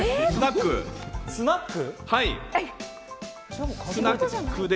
スナックで。